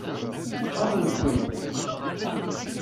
Ɣaḍent-kem?